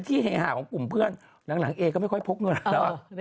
ที่ห่ายหาของกลุ่มเพื่อนหลังเอ๋ก็ไม่ค่อยพกเงินแล้ว